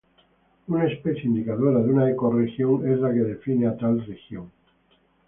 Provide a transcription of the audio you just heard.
Una especie indicadora de una ecorregión es la que define a tal región.